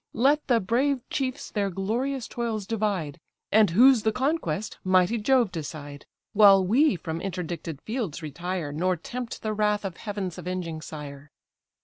Let the brave chiefs their glorious toils divide; And whose the conquest, mighty Jove decide: While we from interdicted fields retire, Nor tempt the wrath of heaven's avenging sire."